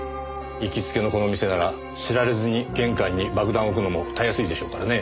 行きつけのこの店なら知られずに玄関に爆弾を置くのもたやすいでしょうからね。